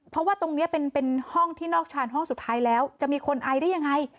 เพราะว่าตรงนี้เป็นห้องที่นอกชานห้องสุดท้ายแล้วจะมีคนไอได้ยังไง